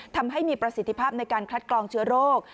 ทำให้มีประสิทธิภาพในการคัดกรองเชื้อโรค